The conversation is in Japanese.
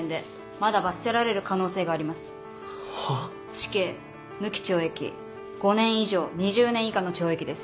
死刑無期懲役５年以上２０年以下の懲役です。